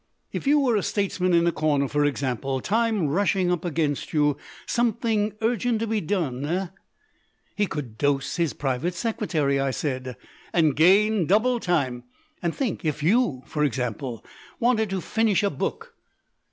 "If you were a statesman in a corner, for example, time rushing up against you, something urgent to be done, eh?" "He could dose his private secretary," I said. "And gain double time. And think if YOU, for example, wanted to finish a book."